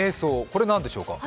これは何でしょうか？